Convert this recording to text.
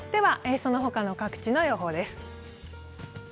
その他の各地の予報です。